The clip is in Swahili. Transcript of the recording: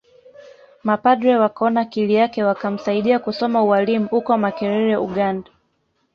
Mapadre wakaona akili yake wakamsaidia kusoma ualimu uko makerere ugand